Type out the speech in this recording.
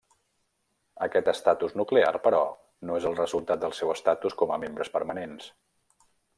Aquest estatus nuclear, però, no és el resultat del seu estatus com a membres permanents.